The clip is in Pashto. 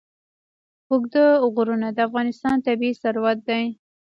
اوږده غرونه د افغانستان طبعي ثروت دی.